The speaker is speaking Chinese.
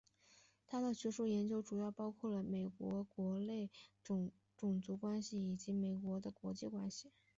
他的学术研究主要包括美国国内种族关系以及美国的国际关系。